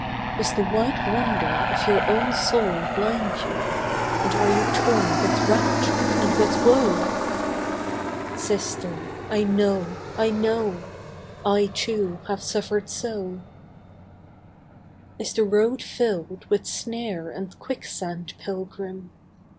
Does the white wonder of your own soul blind you, And are you torn with rapture and with woe? Sister, I know, I know! I, too, have suffered so. Is the road filled with snare and quicksand, pilgrim?